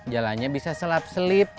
jalannya bisa selap selip